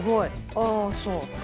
ああそう。